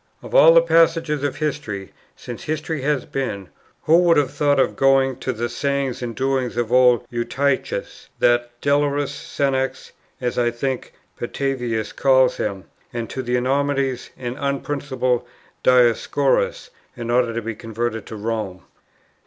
Of all passages of history, since history has been, who would have thought of going to the sayings and doings of old Eutyches, that delirus senex, as (I think) Petavius calls him, and to the enormities of the unprincipled Dioscorus, in order to be converted to Rome!